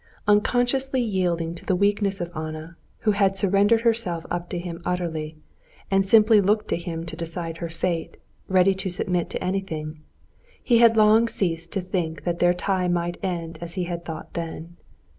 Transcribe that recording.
Unconsciously yielding to the weakness of Anna—who had surrendered herself up to him utterly, and simply looked to him to decide her fate, ready to submit to anything—he had long ceased to think that their tie might end as he had thought then.